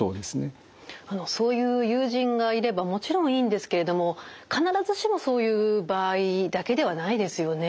そういう友人がいればもちろんいいんですけれども必ずしもそういう場合だけではないですよね。